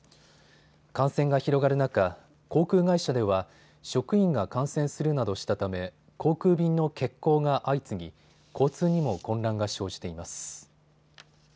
感染が広がる中、航空会社では職員が感染するなどしたため航空便の欠航が相次ぎ交通にも混乱が生じています。